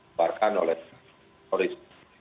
dibarkan oleh polis